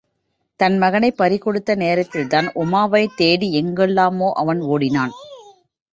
தன் மகளைப் பறிகொடுத்த நேரத்தில்தான் உமாவைத் தேடி எங்கெல்லாமோ அவன் ஓடினான்.